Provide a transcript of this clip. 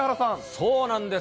そうなんです。